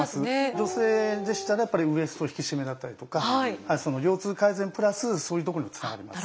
女性でしたらウエスト引き締めだったりとか腰痛改善プラスそういうとこにもつながります。